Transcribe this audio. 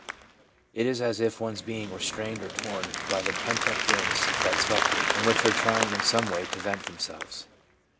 It is as if one's being were strained or torn by the pent up winds that sweep it, and which are trying in some way to vent themselves.